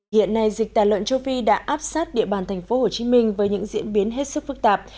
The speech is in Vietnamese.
hiện nay dịch tài lợn châu phi đã áp sát địa bàn thành phố hồ chí minh với những diễn biến hết sức phức tạp